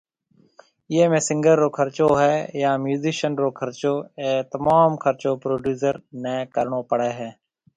ايئي ۾ سنگر رو خرچو ھوئي يا ميوزيشن رو خرچو اي تموم خرچو پروڊيوسر ني ڪرڻو پڙي ھيَََ